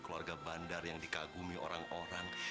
keluarga bandar yang dikagumi orang orang